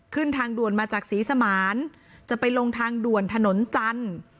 ทางด่วนมาจากศรีสมานจะไปลงทางด่วนถนนจันทร์